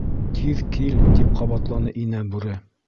— Тиҙ кил, — тип ҡабатланы Инә Бүре.